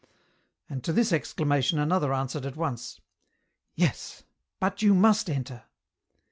And to this exclamation another answered at once :" Yes, but you must enter."